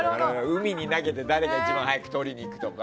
海に投げて誰が一番早く取りに行くとか。